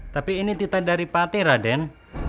tapi ini titah dari pati raden